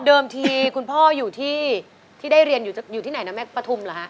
เดิมทีคุณพ่ออยู่ที่ได้เรียนอยู่ที่ไหนนะแม่ปฐุมเหรอฮะ